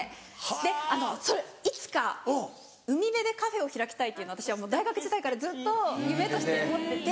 でいつか海辺でカフェを開きたいっていうのを私は大学時代からずっと夢として持ってて。